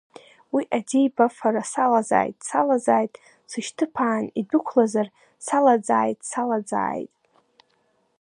Уи аӡеибафара салазааит, салазааит, сышьҭыԥаан идәықәлазар, салаӡааит, салаӡааит!